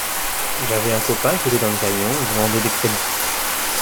J’avais un copain qui était dans le camion, il vendait des crédits